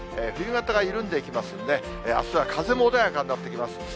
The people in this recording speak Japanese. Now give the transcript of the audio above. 冬型が緩んでいきますんで、あすは風も穏やかになってきます。